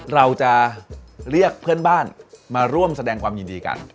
เราจะเรียกเพื่อนบ้านมาร่วมแสดงความยินดีกัน